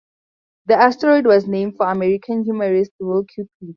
The asteroid was named for American humorist Will Cuppy.